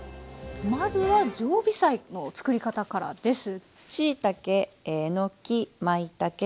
まずは常備菜の作り方からです。